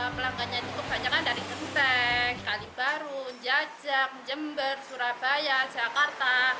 pelanggannya cukup banyak kan dari kenteng kalibaru jajak jember surabaya jakarta